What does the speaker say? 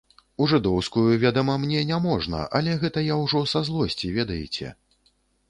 У жыдоўскую, ведама, мне не можна, але гэта я ўжо са злосці, ведаеце.